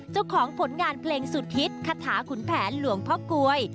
เจ้าของผลงานเพลงสุดฮิตคาถาขุนแผนหลวงพ่อกลวย